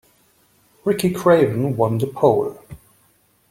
Ricky Craven won the pole.